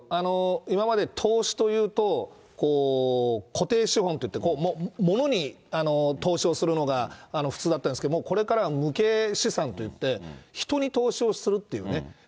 今まで投資というと、固定資本といって、ものに投資をするのが、普通だったんですけど、もうこれからは無形資産っていって、人に投資をするっていうね。